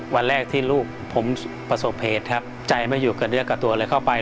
วันแรกที่ลูกผมประสบเหตุครับใจไม่อยู่กับเนื้อกับตัวเลยเข้าไป